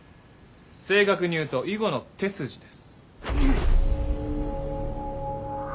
正確に言うと囲碁の手筋です。